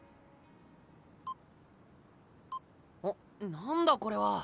何だこれは。